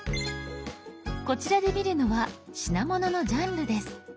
こちらで見るのは品物のジャンルです。